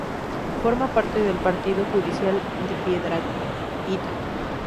Forma parte del partido judicial de Piedrahíta.